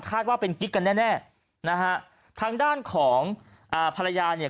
ว่าเป็นกิ๊กกันแน่แน่นะฮะทางด้านของอ่าภรรยาเนี่ย